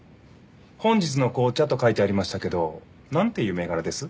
「本日の紅茶」と書いてありましたけどなんていう銘柄です？